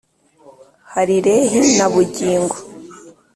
hari lehi na bugingo